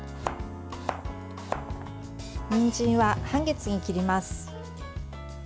にんじんは、半月に切ります。